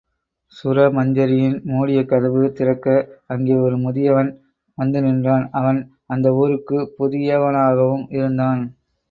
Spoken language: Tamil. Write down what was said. சுரமஞ்சரியின் மூடிய கதவு திறக்க அங்கே ஒரு முதியவன் வந்து நின்றான் அவன் அந்த ஊருக்குப் புதியவனாகவும் இருந்தான்.